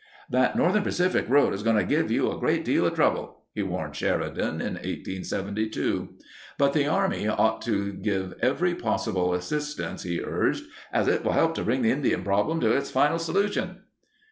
"That Northern Pacific Road is going to give you a great deal of trouble," he warned Sheridan in 1872. But the Army ought to give every possible assis tance, he urged, "as it will help to bring the Indian problem to a final solution."